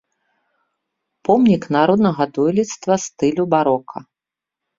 Помнік народнага дойлідства стылю барока.